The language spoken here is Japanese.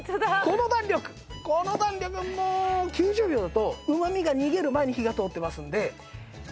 この弾力も９０秒だとうまみが逃げる前に火が通ってますので。